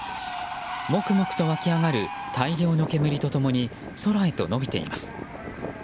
黙々と湧き上がる大量の煙と共に空へと延びています。